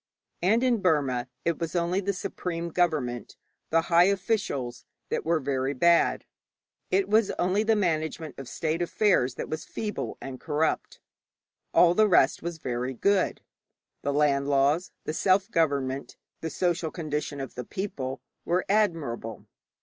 And in Burma it was only the supreme government, the high officials, that were very bad. It was only the management of state affairs that was feeble and corrupt; all the rest was very good. The land laws, the self government, the social condition of the people, were admirable.